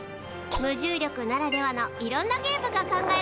無重力ならではのいろんなゲームが考えられます。